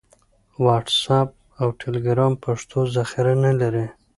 واټس اپ او ټیلیګرام پښتو ذخیره نه لري.